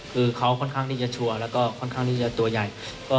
คือเขาค่อนข้างที่จะชัวร์แล้วก็ค่อนข้างที่จะตัวใหญ่